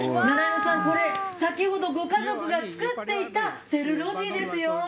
ナラエヌさん、先ほどご家族が作っていたセルロティですよ。